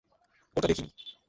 ওটা দেখিনি।